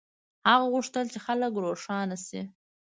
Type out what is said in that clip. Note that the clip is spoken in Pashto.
هغه غوښتل چې خلک روښانه شي.